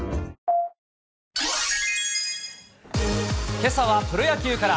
けさは、プロ野球から。